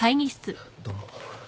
どうも。